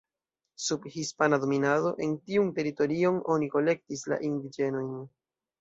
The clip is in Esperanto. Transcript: Sub hispana dominado en tiun teritorion oni kolektis la indiĝenojn.